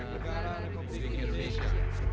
negara republik indonesia